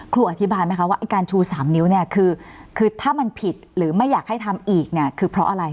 อธิบายไหมคะว่าไอ้การชู๓นิ้วเนี่ยคือถ้ามันผิดหรือไม่อยากให้ทำอีกเนี่ยคือเพราะอะไร